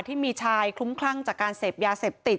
ที่มีชายคลุ้มคลั่งจากการเสพยาเสพติด